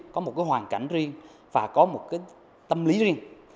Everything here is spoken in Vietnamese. có một hoàn cảnh riêng và có một tâm lý riêng